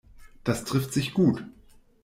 Das trifft sich gut.